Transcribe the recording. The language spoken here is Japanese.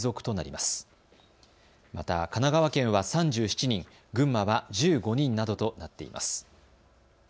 また、神奈川県は３７人、群馬は１５人などとなっています。